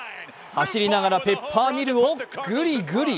走りながらペッパーミルをグリグリ。